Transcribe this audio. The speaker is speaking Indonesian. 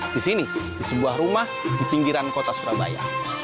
di sini di sebuah rumah di pinggiran kota surabaya